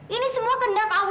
ini semua kendak allah mila